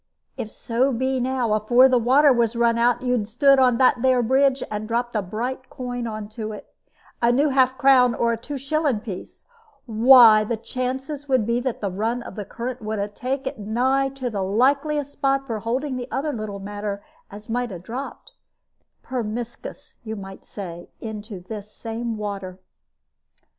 If so be now, afore the water was run out, you had stood on that there bridge, and dropped a bright coin into it, a new half crown or a two shilling piece, why, the chances would be that the run of the current would 'a taken it nigh to the likeliest spot for holding any other little matter as might 'a dropped, permiskous, you might say, into this same water."